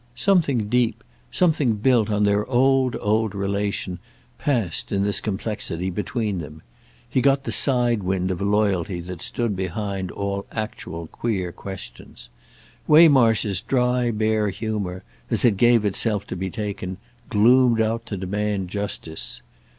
Something deep—something built on their old old relation—passed, in this complexity, between them; he got the side wind of a loyalty that stood behind all actual queer questions. Waymarsh's dry bare humour—as it gave itself to be taken—gloomed out to demand justice.